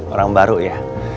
orang baru ya